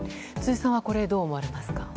辻さんはこれ、どう思われますか。